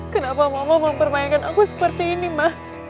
kenapa mama mempermainkan aku seperti ini mah